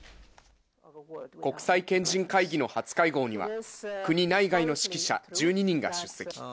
国際賢人会議の初会合には、国内外の識者１２人が出席。